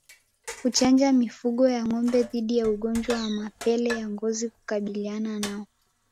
Kuchanja mifugo ya ngombe dhidi ya ugonjwa wa mapele ya ngozi hukabiliana nao